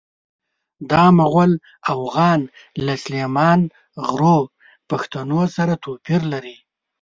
دا مغول اوغان له سلیمان غرو پښتنو سره توپیر لري.